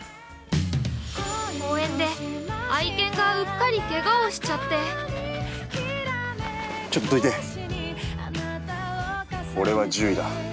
◆公園で愛犬がうっかりけがをしちゃって、◆ちょっとどいて、俺は獣医だ。